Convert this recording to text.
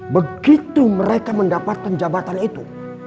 begitu mereka mendapatkan jabatan itu